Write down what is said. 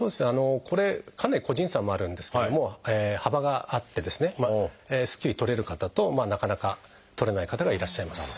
これかなり個人差もあるんですけども幅があってですねすっきり取れる方となかなか取れない方がいらっしゃいます。